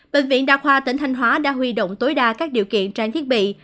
bệnh viện đa khoa tỉnh thanh hóa đã huy động tối đa các điều kiện trang thiết bị